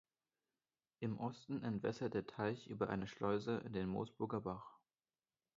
Im Osten entwässert der Teich über eine Schleuse in den Moosburger Bach.